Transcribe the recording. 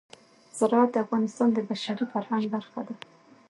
زراعت د افغانستان د بشري فرهنګ برخه ده.